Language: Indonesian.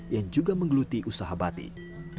yang juga menggeluti usaha batik